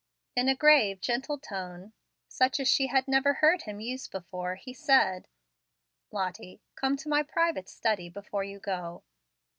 In a grave, gentle tone, such as she never had heard him use before, he said, "Lottie, come to my private study, before you go."